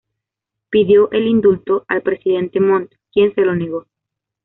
Pidió el indulto al Presidente Montt, quien se lo negó.